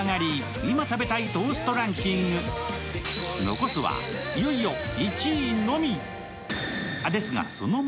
残すは、いよいよ１位のみ。